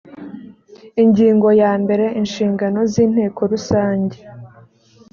ingingo ya mbere inshingano z inteko rusange